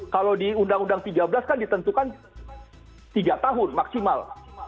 kalau di undang undang tiga belas kan ditentukan tiga tahun maksimal